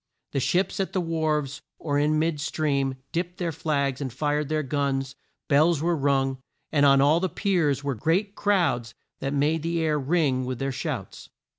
The ships at the wharves or in mid stream, dipped their flags, and fired their guns, bells were rung, and on all the piers were great crowds that made the air ring with their shouts.